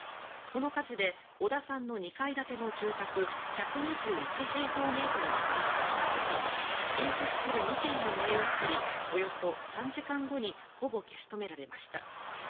この火事で小田さんの２階建ての住宅１２１平方メートルが全焼したほか隣接する２軒に燃え移りおよそ３時間後にほぼ消し止められました。